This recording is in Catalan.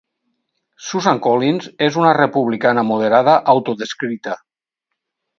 Susan Collins és una republicana moderada autodescrita.